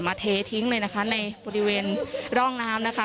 เททิ้งเลยนะคะในบริเวณร่องน้ำนะคะ